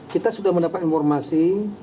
kita sudah mendapat informasi